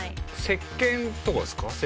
せっけんとかでこう。